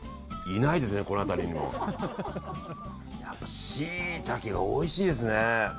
いないですね、この辺りにも。やっぱシイタケおいしいですね。